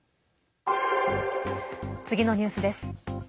次のニュースです。